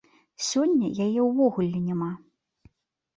Сёння яе ўвогуле няма.